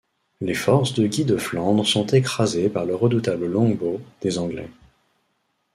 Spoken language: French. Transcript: Les forces de Guy de Flandre sont écrasées par le redoutable longbow des Anglais.